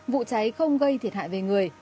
vụ cháy không gây thiệt hại về người